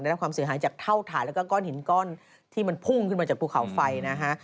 รับความเสียหายจากเท่าฐานแล้วก็ก้อนหินก้อนที่มันพุ่งขึ้นมาจากภูเขาไฟนะฮะ